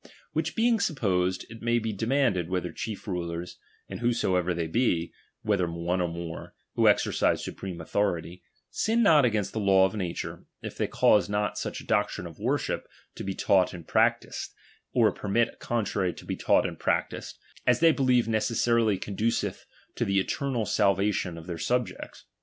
Which being supposed, it may be demanded whether chief rulers, and who soever they be, whether one or more, who exercise supreme authority, siu not against the law of na ture, if they cause not such a doctrine and worship to be taught and practised, or permit a contrary to he taught and practised, as they believe necessarily conduceth to the eternal salvation of their sub jects.